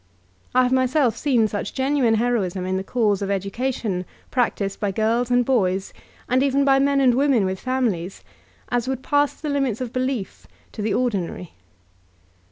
I have myself seen such genuine heroism in the cause of education practiced by girls and boys, and even by men and women with fami lies, as would pass the limits of belief to the ordinary mind.